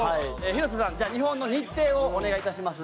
広瀬さんじゃあ日本の日程をお願いいたします。